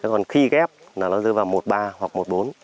còn khi ghép là nó rơi vào một ba hoặc một bốn